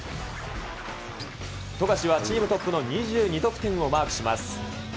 富樫はチームトップの２２得点をマークします。